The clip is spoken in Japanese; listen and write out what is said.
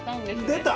◆出た！